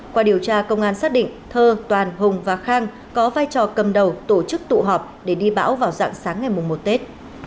qua điều tra công an xác định thơ toàn hùng và khang có vai trò cầm đầu tổ chức tụ họp để đi bão vào dạng sáng ngày một tết